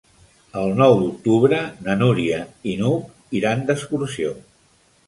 El nou d'octubre na Núria i n'Hug iran d'excursió.